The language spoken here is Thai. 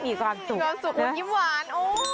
มีความสุขแล้วยิ้มหวาน